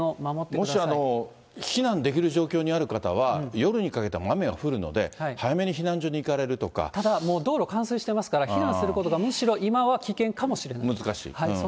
もし避難できる状況にある方は、夜にかけて雨が降るので、早ただもう、道路冠水してますから、避難することがむしろ、今は危険かもしれません。